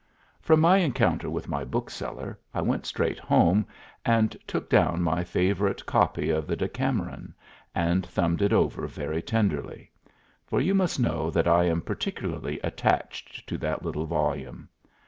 From my encounter with my bookseller I went straight home and took down my favorite copy of the "Decameron" and thumbed it over very tenderly; for you must know that I am particularly attached to that little volume.